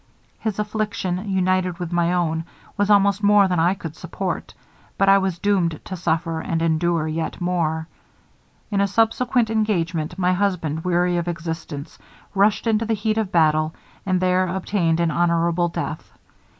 His affliction, united with my own, was almost more than I could support, but I was doomed to suffer, and endure yet more. In a subsequent engagement my husband, weary of existence, rushed into the heat of battle, and there obtained an honorable death.